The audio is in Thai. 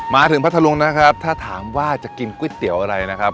พัทธรุงนะครับถ้าถามว่าจะกินก๋วยเตี๋ยวอะไรนะครับ